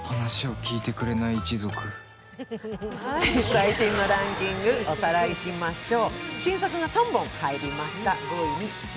最新のランキングをおさらいしましょう。